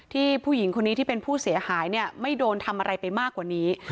ผู้หญิงคนนี้ที่เป็นผู้เสียหายเนี่ยไม่โดนทำอะไรไปมากกว่านี้